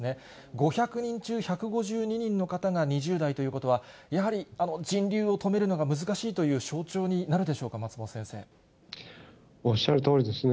５００人中１５２人の方が２０代ということは、やはり人流を止めるのが難しいという象徴になるでしょうか、おっしゃるとおりですね。